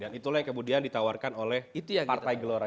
dan itulah yang kemudian ditawarkan oleh partai gelora